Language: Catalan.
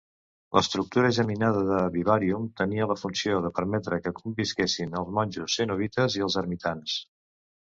L'estructura geminada de Vivarium tenia la funció de permetre que convisquessin els monjos cenobites i els ermitans.